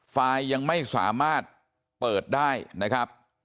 ไฟล์ยังไม่สามารถเปิดได้นะครับ